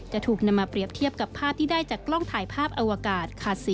จะถูกนำมาเปรียบเทียบกับภาพที่ได้จากกล้องถ่ายภาพอวกาศ